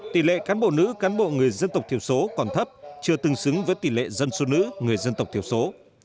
tỷ lệ cán bộ nữ cán bộ người dân tộc thiểu số còn thấp chưa tương xứng với tỷ lệ dân số nữ người dân tộc thiểu số